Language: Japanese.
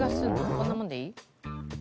こんなもんでいい？